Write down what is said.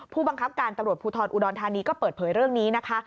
ผู้บังคับการตำรวจภูทรอุดรธานีก็เปิดเผยเรื่องนี้นะคะ